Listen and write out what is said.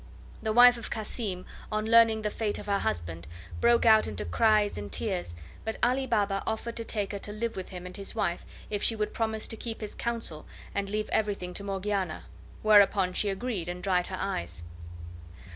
The wife of Cassim, on learning the fate of her husband, broke out into cries and tears, but Ali Baba offered to take her to live with him and his wife if she would promise to keep his counsel and leave everything to Morgiana; whereupon she agreed, and dried her eyes.